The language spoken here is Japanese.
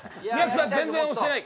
全然押してない。